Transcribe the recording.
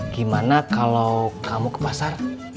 gimana kalau kamu ke pasar